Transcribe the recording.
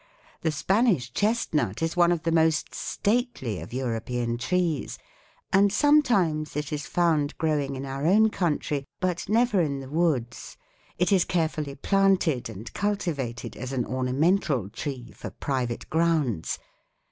The Spanish chestnut is one of the most stately of European trees, and sometimes it is found growing in our own country, but never in the woods. It is carefully planted and cultivated as an ornamental tree for private grounds.